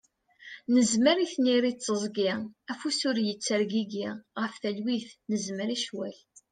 Nezmer i tniri d tiẓgi, afus ur ittergigi, ɣef talwit nezmer i ccwal.